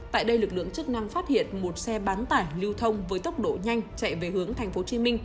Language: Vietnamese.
tại đây lực lượng chức năng phát hiện một xe bán tải lưu thông với tốc độ nhanh chạy về hướng tp hcm